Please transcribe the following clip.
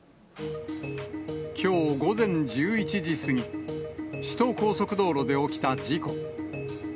きょう午前１１時過ぎ、首都高速道路で起きた事故。